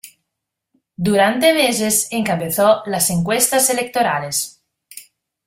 Durante meses encabezó las encuestas electorales.